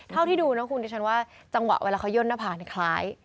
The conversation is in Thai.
เท่าที่ดูนะคุณดิฉันว่าจังหวะเวลาเขาย่นหน้าผากคล้าย